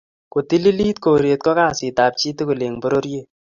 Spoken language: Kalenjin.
kotililit koret ko kasit ab chitugul eng pororiet